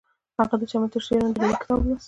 هغې د چمن تر سیوري لاندې د مینې کتاب ولوست.